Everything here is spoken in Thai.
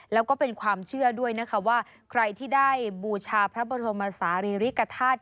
แล้วก็เป็นความเชื่อด้วยนะคะว่าใครที่ได้บูชาพระบรมศาลีริกฐาตุ